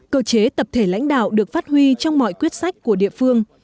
cơ chế tập thể lãnh đạo được phát huy trong mọi quyết sách của địa phương